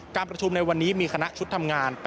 การประชุมในวันนี้มีคณะชุดทำงาน